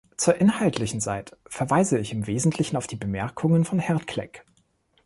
Zur inhaltlichen Seite verweise ich im Wesentlichen auf die Bemerkungen von Herrn Clegg.